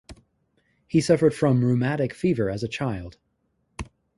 He suffered from rhuematic fever as a child.